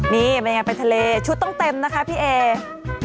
นี่มันยังเป็นทะเลชุดต้องเต็มนะคะพี่เอ